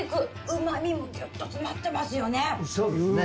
うまみもギュッと詰まってますよね。